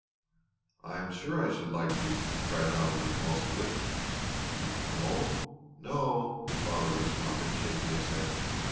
"I am sure I should like to," cried Donald impulsively. "No, no," his father responded, shaking his head.